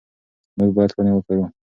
موږ باید ونې وکرو.